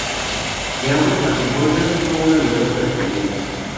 De ambos matrimonios tuvo una numerosa descendencia.